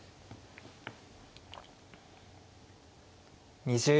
２０秒。